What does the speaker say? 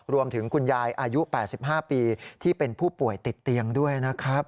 คุณยายอายุ๘๕ปีที่เป็นผู้ป่วยติดเตียงด้วยนะครับ